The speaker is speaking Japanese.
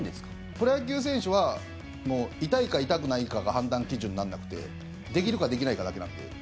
プロ野球選手は痛いか痛くないかが判断基準にならなくてできるかできないかだけなんで。